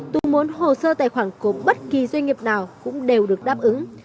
tôi muốn hồ sơ tài khoản của bất kỳ doanh nghiệp nào cũng đều được đáp ứng